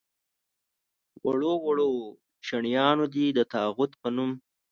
وړو وړو چڼیانو دې د طاغوت په نوم.